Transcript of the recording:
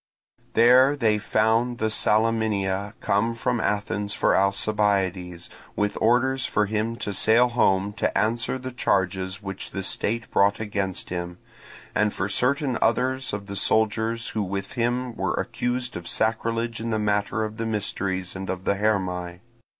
There they found the Salaminia come from Athens for Alcibiades, with orders for him to sail home to answer the charges which the state brought against him, and for certain others of the soldiers who with him were accused of sacrilege in the matter of the mysteries and of the Hermae.